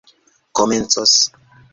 komencos